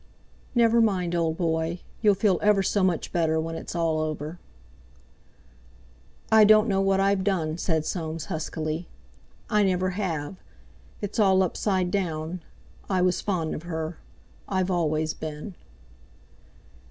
"Never mind, old boy. You'll feel ever so much better when it's all over." "I don't know what I've done," said Soames huskily; "I never have. It's all upside down. I was fond of her; I've always been."